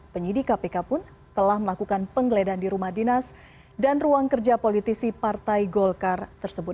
penyidik kpk pun telah melakukan penggeledahan di rumah dinas dan ruang kerja politisi partai golkar tersebut